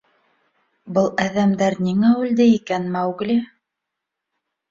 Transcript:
— Был әҙәмдәр ниңә үлде икән, Маугли?